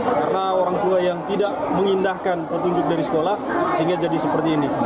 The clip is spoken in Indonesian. karena orang tua yang tidak mengindahkan petunjuk dari sekolah sehingga jadi seperti ini